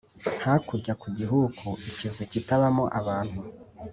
Hakurya ku gihuku-Ikizu kitabamo abantu.